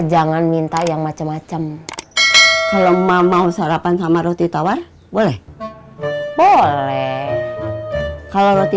jangan minta yang macam macam kalau mama sarapan sama roti tawar boleh boleh kalau roti